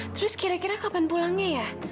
terus kira kira kapan pulangnya ya